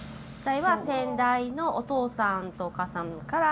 先代のお父さんとお母さんから。